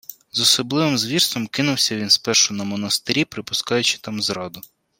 З особливим звірством кинувся він спершу на монастирі, припускаючи там зраду